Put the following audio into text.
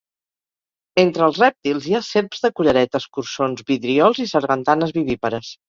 Entre els rèptils hi ha serps de collaret, escurçons, vidriols i sargantanes vivípares.